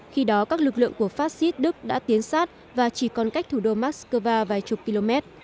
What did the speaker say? khi đó các lực lượng của fascist đức đã tiến sát và chỉ còn cách thủ đô moscow vài chục km